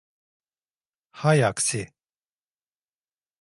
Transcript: Hay aksi.